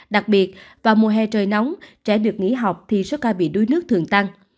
đặc biệt vào mùa hè trời nóng trẻ được nghỉ học thì số ca bị đuối nước thường tăng